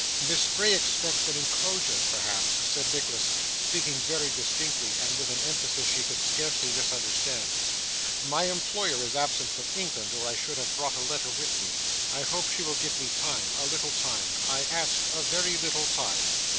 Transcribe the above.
'Miss Bray expects an inclosure perhaps,' said Nicholas, speaking very distinctly, and with an emphasis she could scarcely misunderstand. 'My employer is absent from England, or I should have brought a letter with me. I hope she will give me time a little time. I ask a very little time.